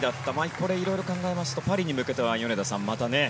これをいろいろ考えますとパリに向けては、米田さん